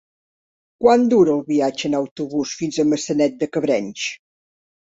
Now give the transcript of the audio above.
Quant dura el viatge en autobús fins a Maçanet de Cabrenys?